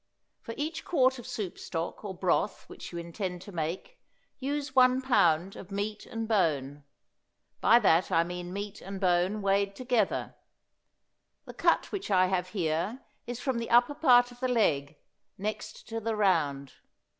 For each quart of soup stock or broth which you intend to make, use one pound of meat and bone. By that I mean meat and bone weighed together. The cut which I have here is from the upper part of the leg, next to the round.